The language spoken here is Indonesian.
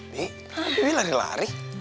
nih tadi dia lari lari